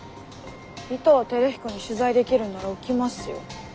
尾藤輝彦に取材できるんなら起きますよ。